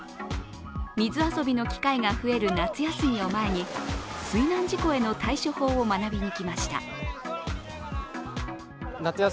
水遊びの機会が増える夏休みを前に水難事故への対処法を学びに来ました。